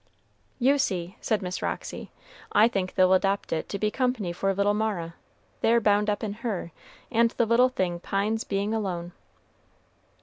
"You see," said Miss Roxy, "I think they'll adopt it to be company for little Mara; they're bound up in her, and the little thing pines bein' alone."